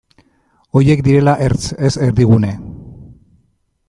Horiek direla ertz, ez erdigune.